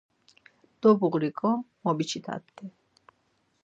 Dobğuriǩo mubiçit̆at̆i.